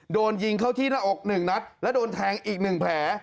โดนยิงเข้าที่หน้าอกหนึ่งนัดและโดนแทงอีกหนึ่งแผล